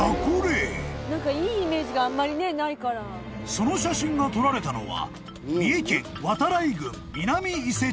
［その写真が撮られたのは］